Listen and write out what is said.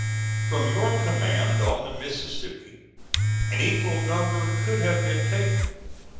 From your command on the Mississippi an equal number could have been taken.